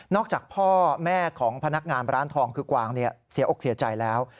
จากพ่อแม่ของพนักงานร้านทองคือกวางเสียอกเสียใจแล้ว